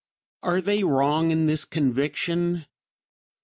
Are they wrong in this conviction?